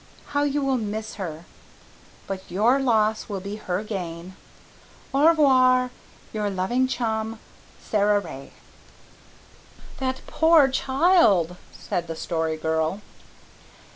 How you will miss her! But your loss will be her gain. "'Au revoir, "'Your loving chum, SARA RAY.'" "That poor child," said the Story Girl.